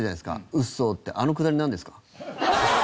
「ウッソ」ってあのくだりなんですか？